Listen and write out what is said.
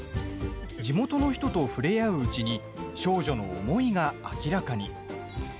地元の人と触れ合ううちに少女の思いが明らかに。